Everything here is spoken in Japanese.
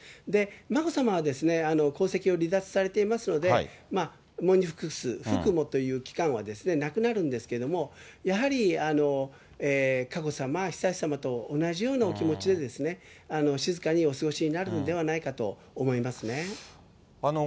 眞子さまは、皇籍を離脱されていますので、喪に服す、服喪という期間はなくなるんですけども、やはり、佳子さま、悠仁さまと同じようなお気持ちで、静かにお過ごしになるのではないかと思いますね。